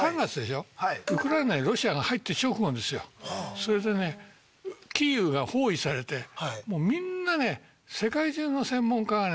それでねキーウが包囲されてもうみんなね世界中の専門家がね